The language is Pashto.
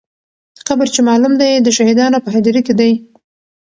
قبر چې معلوم دی، د شهیدانو په هدیره کې دی.